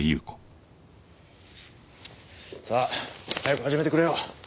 さあ早く始めてくれよ。